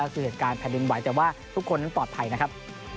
คือเหตุการณ์แผ่นดินไหวแต่ว่าทุกคนนั้นปลอดภัยนะครับ